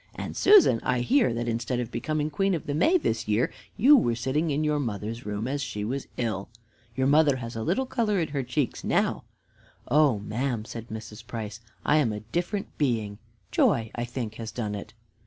And, Susan, I hear that instead of becoming Queen of the May this year, you were sitting in your mother's room as she was ill. Your mother has a little color in her cheeks now." "Oh, ma'am," said Mrs. Price, "I'm a different being. Joy, I think, has done it."